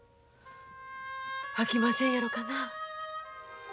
あきませんやろかなあ？